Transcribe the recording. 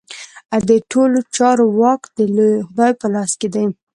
د ټولو چارو واک د لوی خدای په لاس کې دی.